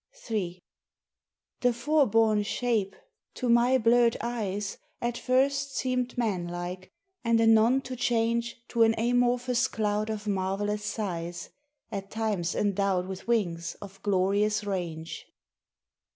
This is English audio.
III The fore borne shape, to my blurred eyes, At first seemed man like, and anon to change To an amorphous cloud of marvellous size, At times endowed with wings of glorious range.